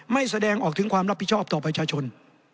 แสดงออกถึงความรับผิดชอบต่อประชาชน